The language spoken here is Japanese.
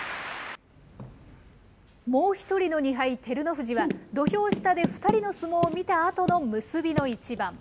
もう１人の２敗、照ノ富士は、土俵下で２人の相撲を見たあとの結びの一番。